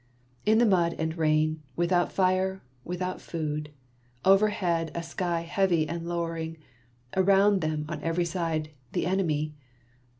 In the mud and rain, without fire, without food, over head a sky heavy and lowering — around them, on every side, the enemy